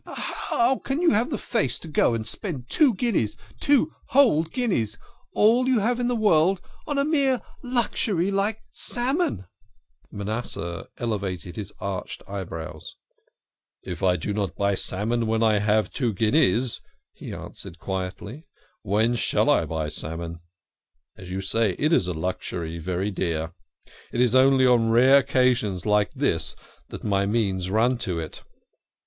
How can you have the face to go and spend two 16 THE KING OF SCHNORRERS. guineas two whole guineas all you have in the world on a mere luxury like salmon ?" Manasseh elevated his arched eyebrows. " If I do not buy salmon when I have two guineas," he answered quietly, " when shall I buy salmon ? As you say, it is a luxury ; very dear. It is only on rare occasions like this that my means run to it."